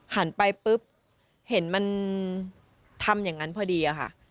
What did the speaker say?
หันไปปุ๊บเห็นมันทำอย่างนั้นพอดีอะค่ะ